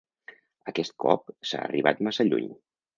Aquest cop s’ha arribat massa lluny.